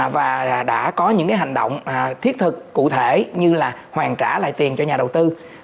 và đã có những hành động thiết thực cụ thể như là hoàn trả lại tiền cho nhà đầu tư